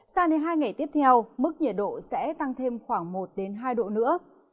sao đến hai ngày tiếp theo mức nhiệt độ sẽ tăng thêm khoảng một đến hai độ nữa